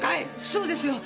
そうですよ。